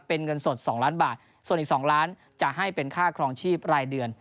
เป็นเงินสด๒ล้านบาทส่วนอีก๒ล้านจะให้เป็นค่าครองชีพรายเดือน